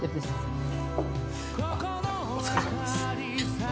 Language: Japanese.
お疲れさまです。